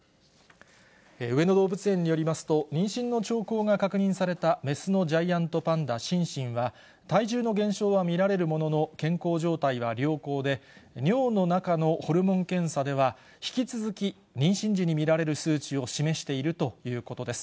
上野動物園によりますと、妊娠の兆候が確認された雌のジャイアントパンダ、シンシンは、体重の減少は見られるものの、健康状態は良好で、尿の中のホルモン検査では、引き続き、妊娠時に見られる数値を示しているということです。